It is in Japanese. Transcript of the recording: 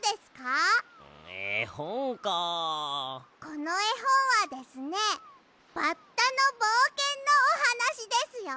このえほんはですねバッタのぼうけんのおはなしですよ！